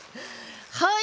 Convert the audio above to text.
はい！